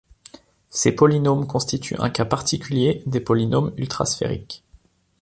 Ces polynômes constituent un cas particulier des polynômes ultrasphériques.